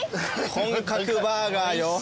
本格バーガーよ。